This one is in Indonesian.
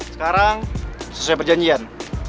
sekarang sesuai perjanjian